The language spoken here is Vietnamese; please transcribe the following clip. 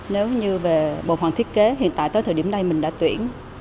nếu như về bộ phận thiết kế hiện tại tới thời điểm này mình đã tuyển